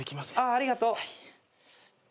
ありがとう。